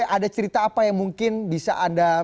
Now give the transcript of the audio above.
ada cerita apa yang mungkin bisa anda